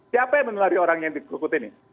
siapa yang menulari orang yang di krukut ini